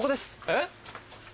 えっ？